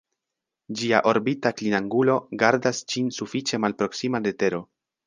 Ĝia orbita klinangulo gardas ĝin sufiĉe malproksima de Tero.